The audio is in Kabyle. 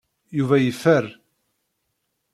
Yuba yeffer.